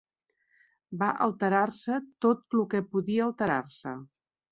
Va alterar-se tot lo que podia alterar-se.